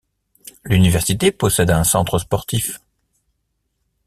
L'université possède un centre sportif.